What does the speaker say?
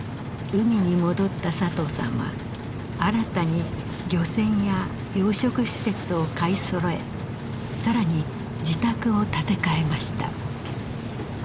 海に戻った佐藤さんは新たに漁船や養殖施設を買いそろえ更に自宅を建て替えました。